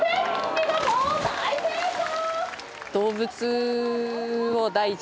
見事大成功！」。